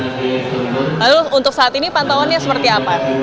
lalu untuk saat ini pantauannya seperti apa